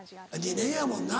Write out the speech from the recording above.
２年やもんな。